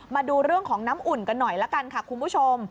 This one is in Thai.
มาดูเรื่องของน้ำอุ่นกันหน่อยละกันค่ะคุณผู้ชม